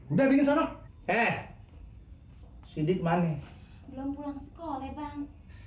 udah bikin sana eh hai sidik mane belum pulang sekolah bang